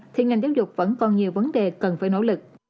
thì ngành giáo dục vẫn còn nhiều vấn đề cần phải nỗ lực